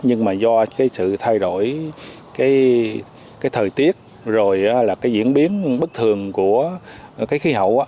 nhưng mà do cái sự thay đổi cái thời tiết rồi là cái diễn biến bất thường của cái khí hậu